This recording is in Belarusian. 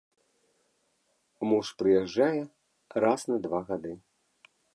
Муж прыязджае раз на два гады.